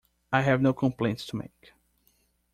I have no complaints to make.